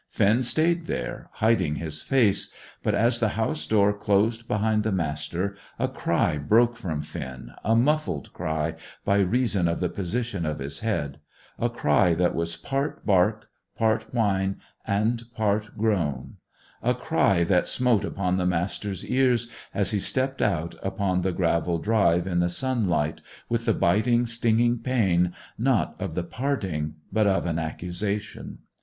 Finn stayed there, hiding his face; but as the house door closed behind the Master, a cry broke from Finn, a muffled cry, by reason of the position of his head; a cry that was part bark, part whine, and part groan; a cry that smote upon the Master's ears as he stepped out upon the gravel drive in the sunlight, with the biting, stinging pain, not of the parting, but of an accusation.